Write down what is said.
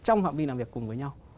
trong phạm vi làm việc cùng với nhau